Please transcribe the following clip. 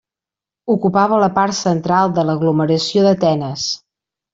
Ocupava la part central de l'aglomeració d'Atenes.